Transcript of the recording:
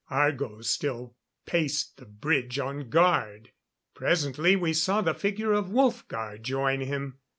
Argo still paced the bridge on guard. Presently we saw the figure of Wolfgar join him.